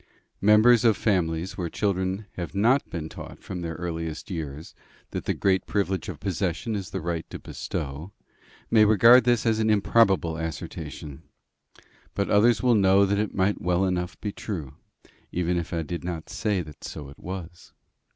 Members of families where children have not been taught from their earliest years that the great privilege of possession is the right to bestow, may regard this as an improbable assertion; but others will know that it might well enough be true, even if I did not say that so it was.